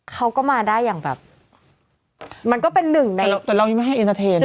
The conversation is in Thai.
เขาก็มาได้อย่างแบบมันก็เป็นหนึ่งในจุดหมายประเทศ